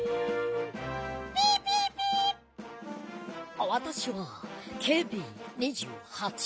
あわたしはＫＢ−２８。